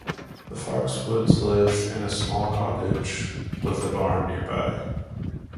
The Foxwoods live in a small cottage with a barn nearby.